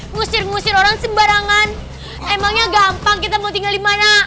ngusir ngusir orang sembarangan emangnya gampang kita mau tinggal di mana